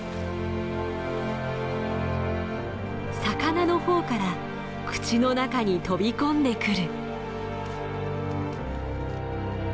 魚のほうから口の中に飛び込んでくる。